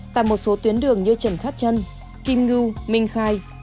tại một số tuyến đường như trần khát trân kim ngưu minh khai